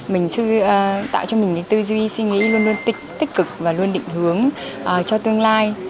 mình tạo cho mình cái tư duy suy nghĩ luôn luôn tích cực và luôn định hướng cho tương lai